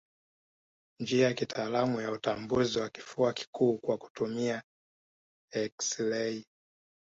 Njia ya kitaalamu ya utambuzi wa kifua kikuu kwa kutumia eksirei